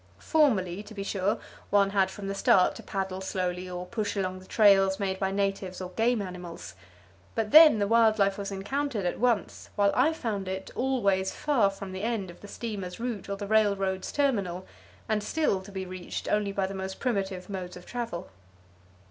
Formerly, to be sure, one had from the start to paddle slowly or push along the trails made by natives or game animals. But then the wild life was encountered at once, while I found it always far from the end of the steamer's route or the railroad's terminal, and still to be reached only by the most primitive modes of travel.